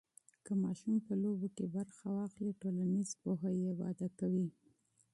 که ماشوم په لوبو کې برخه واخلي، ټولنیز پوهه یې وده کوي.